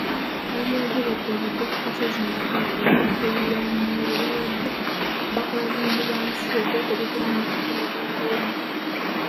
Babyogeredde Buddo ku kasozi Naggalabi n'ebifo ebiriraanyeewo bwe babadde bakola Bulungibwansi okwetegekera amatikkira ga Beene.